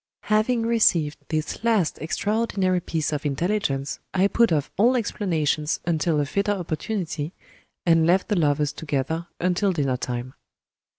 Having received this last extraordinary piece of intelligence, I put off all explanations until a fitter opportunity, and left the lovers together until dinner time.